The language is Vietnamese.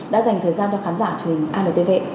đã dành thời gian cho khán giả truyền antv